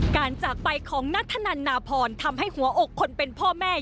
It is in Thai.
จากไปของนัทธนันนาพรทำให้หัวอกคนเป็นพ่อแม่